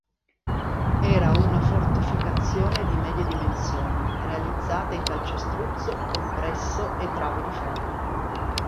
Era una fortificazione di medie dimensioni, realizzata in calcestruzzo compresso e travi di ferro.